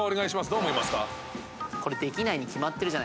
どう思いますか？